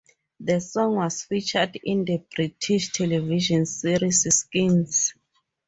The song was featured in the British television series "Skins".